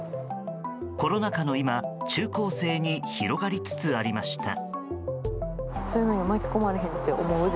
コロナ禍の今中高生に広がりつつありました。